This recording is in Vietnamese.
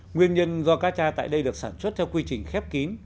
nguyên nhân do cá tra tại đây được sản xuất theo quy trình khép kín